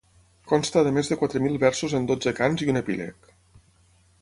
Consta de més de quatre mil versos en dotze cants i un epíleg.